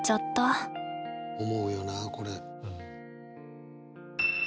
思うよなこれ。